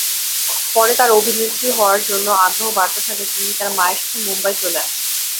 পরে তাঁর অভিনেত্রী হওয়ার জন্যে আগ্রহ বাড়তে থাকলে তিনি তাঁর মায়ের সাথে মুম্বাই চলে আসেন।